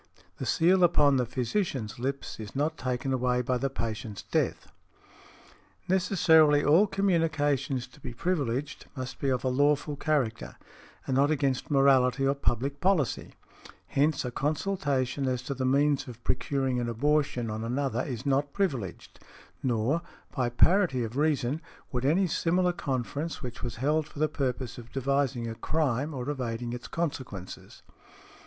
The seal upon the physicians lips is not taken away by the patient's death . Necessarily all communications to be privileged must be of a lawful character, and not against morality or public policy; hence a consultation as to the means of procuring an abortion on another is not privileged; nor, by parity of reason, would any similar conference which was held for the purpose of devising a crime or evading its consequences .